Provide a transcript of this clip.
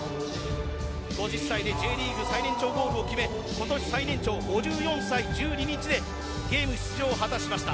５０歳でＪリーグ最年長ゴールを決め今年最年長、５４歳１２日でゲーム出場を果たしました。